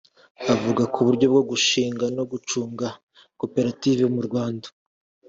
Avuga ku buryo bwo gushinga no gucunga koperative mu Rwanda